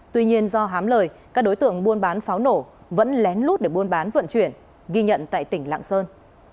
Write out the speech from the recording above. tuy nhiên do hám lời các đối tượng buôn bán pháo nổ vẫn lén lút để buôn bán vận chuyển ghi nhận tại tỉnh lạng sơn